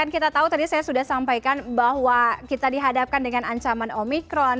kita tahu tadi saya sudah sampaikan bahwa kita dihadapkan dengan ancaman omikron